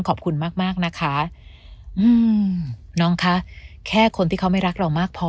ขอบคุณมากมากนะคะอืมน้องคะแค่คนที่เขาไม่รักเรามากพอ